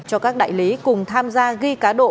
cho các đại lý cùng tham gia ghi cá độ